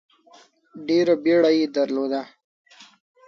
ډېره بیړه یې درلوده.